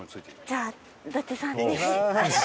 じゃあ伊達さんで。